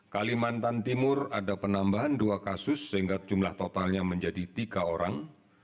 kalimantan timur ada penambahan dua kasus sehingga jumlah totalnya menjadi tiga orang